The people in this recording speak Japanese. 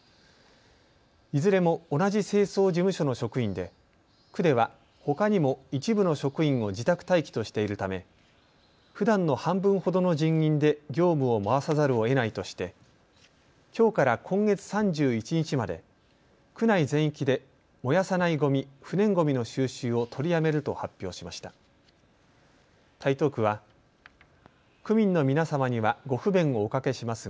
いずれも同じ清掃事務所の職員で区ではほかにも一部の職員を自宅待機としているためふだんの半分ほどの人員で業務を回さざるをえないということできょうから今月３１日まで区内全域で燃やさないごみ、不燃ごみの収集を取りやめると発表しました。